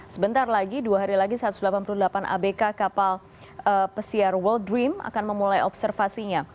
sebentar lagi dua hari lagi satu ratus delapan puluh delapan abk kapal pesiar world dream akan memulai observasinya